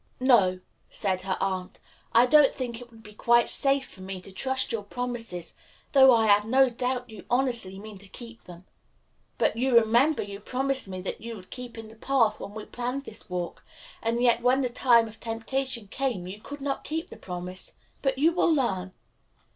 "No," said her aunt, "I don't think it would be quite safe for me to trust to your promises, though I have no doubt you honestly mean to keep them. But you remember you promised me that you would keep in the path when we planned this walk; and yet when the time of temptation came you could not keep the promise; but you will learn.